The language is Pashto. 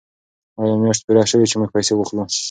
آیا میاشت پوره شوه چې موږ پیسې واخلو؟